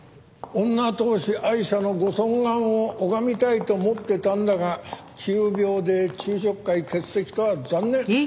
女闘士アイシャのご尊顔を拝みたいと思ってたんだが急病で昼食会欠席とは残念。